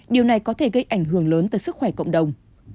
điều này có thể gây ảnh hưởng lớn tới sức khỏe cộng đồng